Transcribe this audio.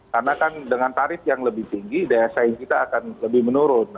karena kan dengan tarif yang lebih tinggi daya saing kita akan lebih menurun